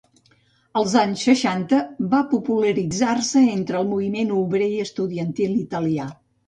Als anys seixanta, va popularitzar-se entre el moviment obrer i estudiantil italià.